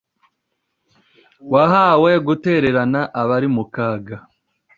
wahawe, gutererana abari mu kaga